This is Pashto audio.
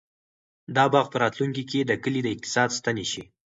دا باغ به په راتلونکي کې د کلي د اقتصاد ستنه شي.